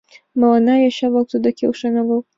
Мыланна, йоча-влаклан, тудо келшен огыл.